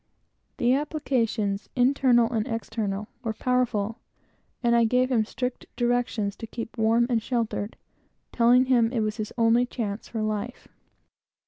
The applications, internal and external, were powerful, and I gave him strict directions to keep warm and sheltered, telling him it was his only chance for life.